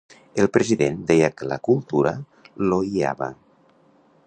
El president deia que la cultura l'oiava.